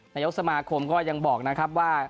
นายกสมาคมก็ยังบอกนะครับว่า